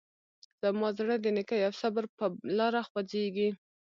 زما زړه د نیکۍ او صبر په لاره خوځېږي.